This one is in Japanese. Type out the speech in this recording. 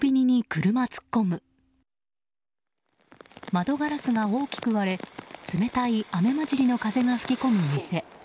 窓ガラスが大きく割れ冷たい雨交じりの風が吹き込む店。